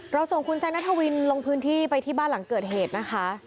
ส่งคุณแซนนัทวินลงพื้นที่ไปที่บ้านหลังเกิดเหตุนะคะ